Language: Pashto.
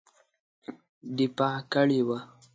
دفاع کړې وه.